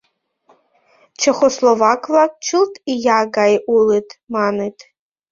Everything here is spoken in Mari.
Чехословак-влак чылт ия гай улыт, маныт...